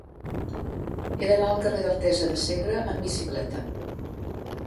He d'anar al carrer d'Artesa de Segre amb bicicleta.